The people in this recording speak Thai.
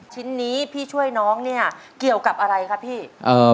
ชิ้นนี้พี่ช่วยน้องเนี่ยเกี่ยวกับอะไรครับพี่เออ